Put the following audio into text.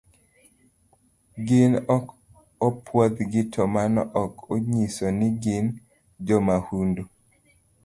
Gin ok opuodhgi to mano ok onyiso ni gin jomahundu.